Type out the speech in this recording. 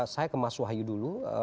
saya ke mas wahyu dulu